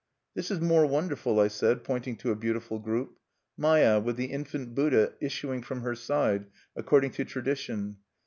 "This is more wonderful," I said, pointing to a beautiful group, Maya with the infant Buddha issuing from her side, according to tradition.